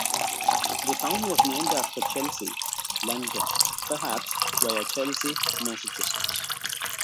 The town was named after Chelsea, London, perhaps via Chelsea, Massachusetts.